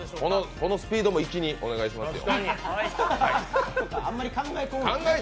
このスピードも粋にお願いしますよ。